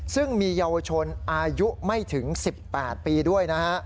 ซึ่งมีเยาวชนอายุไม่ถึง๑๘ปีด้วยนะฮะ